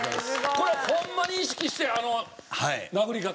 これホンマに意識して殴り方。